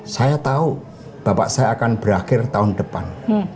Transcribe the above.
saya tahu bapak saya akan berakhir tahun depan